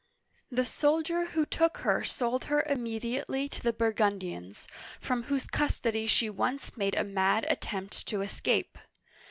The soldier who took her sold her immediately to the Burgundians, from whose custody she once made a mad attempt to escape.